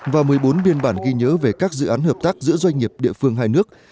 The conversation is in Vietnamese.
và một mươi bốn biên bản ghi nhớ về các dự án hợp tác giữa doanh nghiệp địa phương hai nước